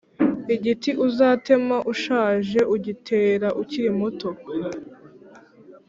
Igiti uzatema ushaje ;ugitera ukiri muto